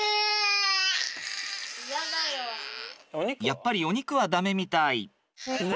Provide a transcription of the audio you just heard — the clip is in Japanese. やっぱりお肉はダメみたい。